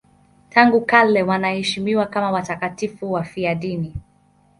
Tangu kale wanaheshimiwa kama watakatifu wafiadini.